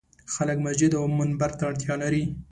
خلک مسجد او منبر ته اړتیا لري.